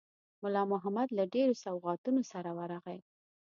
مُلا محمد له ډېرو سوغاتونو سره ورغی.